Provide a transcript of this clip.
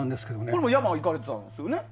これも山に行かれてたんですよね。